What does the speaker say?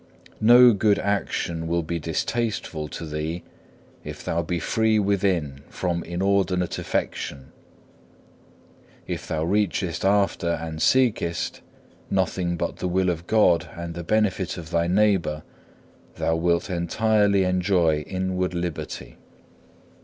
No good action will be distasteful to thee if thou be free within from inordinate affection. If thou reachest after and seekest, nothing but the will of God and the benefit of thy neighbour, thou wilt entirely enjoy inward liberty.